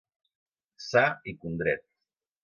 Sa i condret.